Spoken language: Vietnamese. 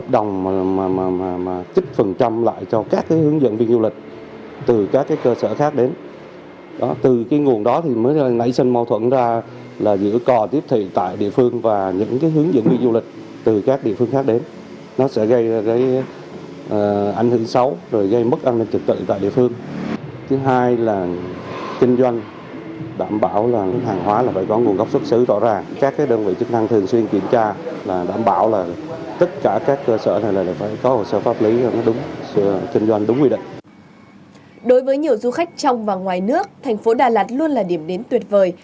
đối với nhiều du khách trong và ngoài nước thành phố đà lạt luôn là điểm đến tuyệt vời